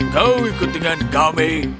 kau ikut dengan kami